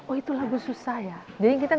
oh itu lagu susah ya